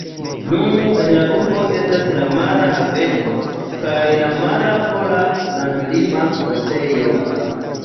Nun en la urbo estas la mara haveno kaj la mara pola landlima pasejo.